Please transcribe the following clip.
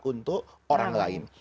untuk orang lain